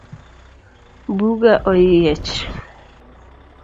Buga oyiech.